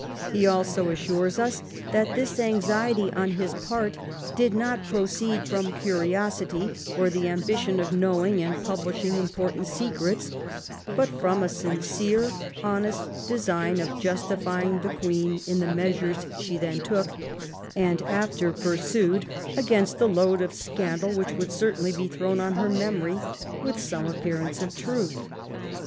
He also assures us that this anxiety on his part did not " proceed from curiosity, or the ambition of knowing and publishing 370 JONATHAN SWIFT'S VIEWS important secrets; but, from a sincere honest design of justifying the Queen, in the measures she then took, and after pursued against a load of scandal which would certainly be thrown on her memory, with some appearance of truth."